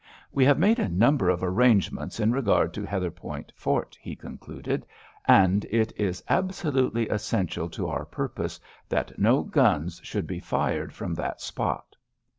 "We have made a number of arrangements in regard to Heatherpoint Fort," he concluded, "and it is absolutely essential to our purpose that no guns should be fired from that spot."